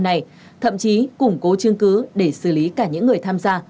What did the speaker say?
các đối tượng thường sử dụng cái tội phạm này thậm chí củng cố chương cứ để xử lý cả những người tham gia